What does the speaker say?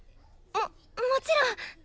もっもちろん！